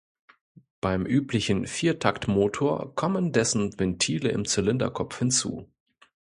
Beim üblichen Viertaktmotor kommen dessen Ventile im Zylinderkopf hinzu.